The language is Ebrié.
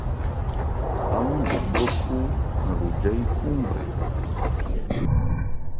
Ámándo bhrɔ́khó khwɛn lo jayí khúúnbrɛn.